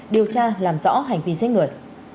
điều tra làm rõ hành vi giết người